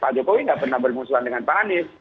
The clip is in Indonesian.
pak jokowi nggak pernah bermusuhan dengan pak anies